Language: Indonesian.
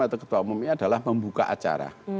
atau ketua umumnya adalah membuka acara